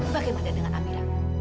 bagaimana dengan amira